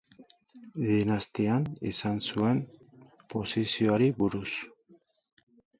Dinastian izan zuen posizioari buruz.